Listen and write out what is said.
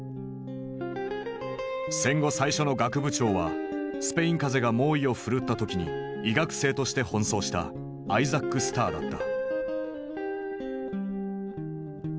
戦後最初の学部長はスペイン風邪が猛威を振るった時に医学生として奔走したアイザック・スターだった。